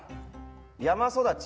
山育ち？